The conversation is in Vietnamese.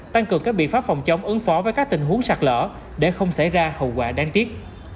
tăng cường các biện pháp phòng chống ứng phó với các tình huống sạt lỡ để không xảy ra hậu quả đáng tiếc